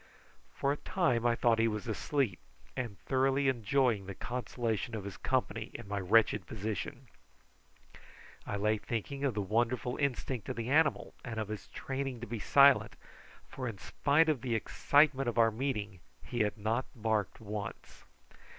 For a time I thought he was asleep, and thoroughly enjoying the consolation of his company in my wretched position, I lay thinking of the wonderful instinct of the animal, and of his training to be silent, for in spite of the excitement of our meeting he had not barked once.